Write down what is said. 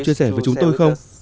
chia sẻ với chúng tôi